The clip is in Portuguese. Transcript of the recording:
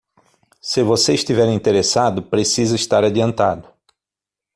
Se você estiver interessado, precisa estar adiantado